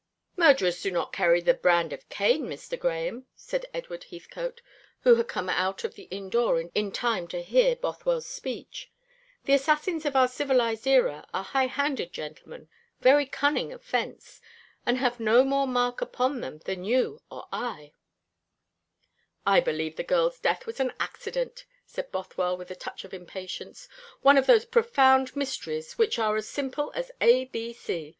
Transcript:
"Murderers do not carry the brand of Cain, Mr. Grahame," said Edward Heathcote, who had come out of the inn door in time to hear Bothwell's speech. "The assassins of our civilised era are high handed gentlemen, very cunning of fence, and have no more mark upon them than you or I." "I believe the girl's death was an accident," said Bothwell, with a touch of impatience "one of those profound mysteries which are as simple as ABC.